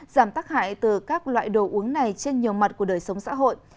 giảm tắc hại từ các loại đồ uống này trên nhiều mặt của đời sống xã hội